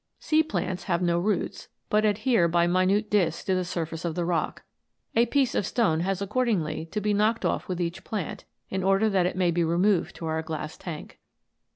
Sea plants have no roots, but adhere by minute discs to the surface of the rock ; a piece of stone has accordingly to be knocked off with each plant, in order that it may be removed to our glass tank.